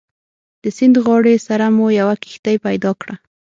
د سیند غاړې سره مو یوه کښتۍ پیدا کړه.